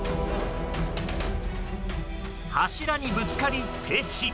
柱にぶつかり停止。